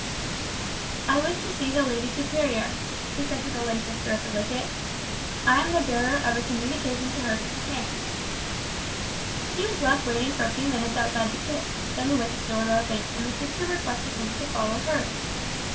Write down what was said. "I wish to see the lady superior," he said to the lay sister at the wicket. "I am the bearer of a communication to her from the king." He was left waiting for a few minutes outside the gate, then the wicket door opened, and the sister requested him to follow her.